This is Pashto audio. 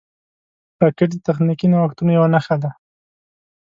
راکټ د تخنیکي نوښتونو یوه نښه ده